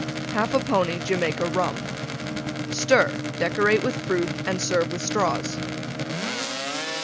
1/2 pony Jamaica Rum. Stir; decorate with Fruit and Serve with Straws.